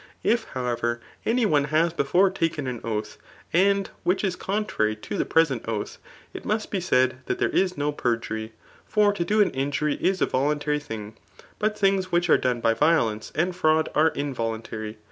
If, however, any one has before taken an oath, and which is contrary [to the present oath,] it must be said that there is no perjury. For to do an injury is a voluntary thing; but things which are done by violence and fraud are involuntary.